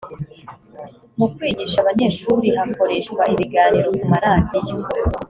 mu kwigisha abanyeshuri hakoreshwa ibiganiro ku maradiyo